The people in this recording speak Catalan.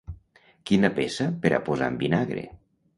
Quina peça per a posar en vinagre!